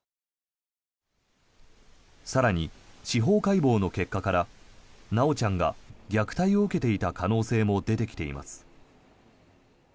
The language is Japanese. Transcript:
更に、司法解剖の結果から修ちゃんが虐待を受けていた可能性も出てきています。